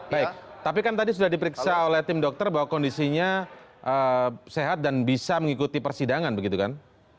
baik tapi kan tadi sudah diperiksa oleh tim dokter bahwa kondisinya sehat dan bisa mengikuti persidangan begitu kan